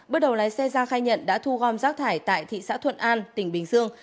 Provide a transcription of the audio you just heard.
bước đầu lái xe gia khai nhận đã thu gom rác thải tại thị xã thuận an tỉnh bình dương